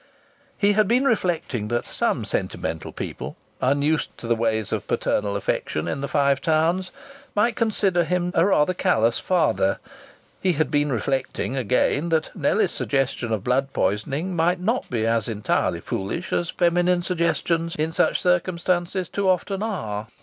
He had been reflecting that some sentimental people, unused to the ways of paternal affection in the Five Towns, might consider him a rather callous father; he had been reflecting, again, that Nellie's suggestion of blood poisoning might not be as entirely foolish as feminine suggestions in such circumstances too often are.